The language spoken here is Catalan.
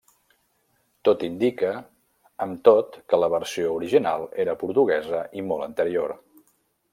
Tot indica, amb tot que la versió original era portuguesa i molt anterior.